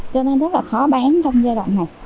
cho nên rất là khó bán trong giai đoạn này